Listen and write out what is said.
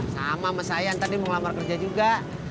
sama sama sayang tadi mau ngelamar kerja juga